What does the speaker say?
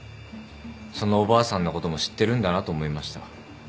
そのおばあさんのことも知ってるんだなと思いました。